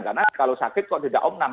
karena kalau sakit kok tidak omnam